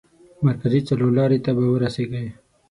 مرکزي څلور لارې ته به ورسېږئ.